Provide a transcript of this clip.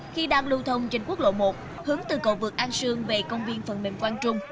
khi đang lưu thông trên quốc lộ một hướng từ cầu vượt an sương về công viên phần mềm quang trung